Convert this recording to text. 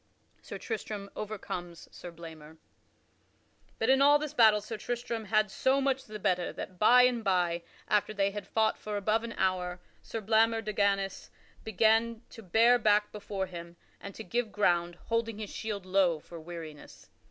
[Sidenote: Sir Tristram overcomes Sir Blamor] But in all this battle Sir Tristram had so much the better that, by and by after they had fought for above an hour, Sir Blamor de Ganys began to bare back before him, and to give ground, holding his shield low for weariness.